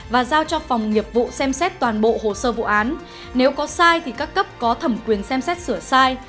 và giao cho phòng nghiệp vụ xem xét toàn bộ hồ sơ vụ án nếu có sai thì các cấp có thẩm quyền xem xét sửa sai